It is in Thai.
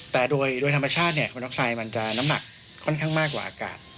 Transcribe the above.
แต่โดยธรรมชาติคอน็อกไซด์มันจะน้ำหนักค่อนข้างมากกว่าอากาศ